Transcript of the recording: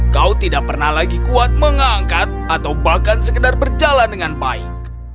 kau tidak pernah lagi kuat mengangkat atau bahkan sekedar berjalan dengan baik